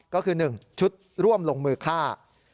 ก็คือ๑ชุดร่วมลงมือฆ่า